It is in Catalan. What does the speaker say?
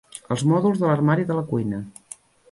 Els mòduls de l'armari de la cuina.